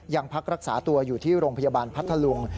ยังพักรักษาตัวอยู่ที่โรงพยาบาลพัทธลุง